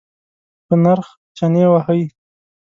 په نرخ چنی وهئ؟